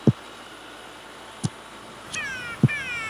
سندرې ژبه ژوندۍ ساتي.